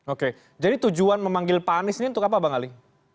oke jadi tujuan memanggil pak anies ini untuk apa bang ali